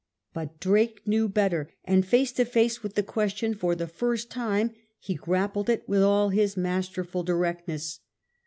But Drake knew better, and face to face with the question for the first time he grappled it with all his masterful directness.